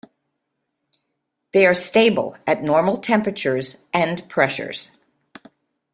They are stable at normal temperatures and pressures.